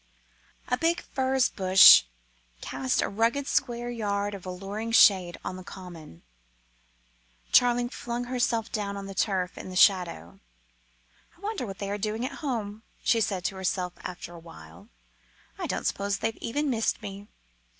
A big furze bush cast a ragged square yard of alluring shade on the common. Charling flung herself down on the turf in the shadow. "I wonder what they are doing at home?" she said to herself after a while. "I don't suppose they've even missed me.